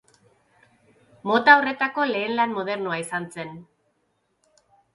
Mota horretako lehen lan modernoa izan zen.